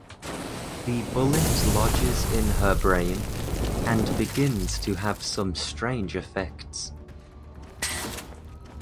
The bullet lodges in her brain, and begins to have some strange effects.